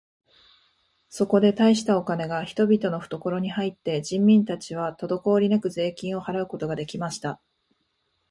そこで大したお金が人々のふところに入って、人民たちはとどこおりなく税金を払うことが出来ました。